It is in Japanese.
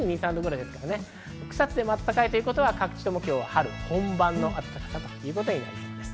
草津でも暖かいということは各地とも春本番の暖かさとなりそうです。